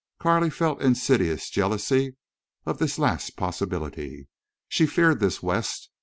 Carley felt insidious jealousy of this last possibility. She feared this West.